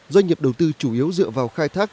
doanh nghiệp đầu tư chủ yếu dựa vào khai thác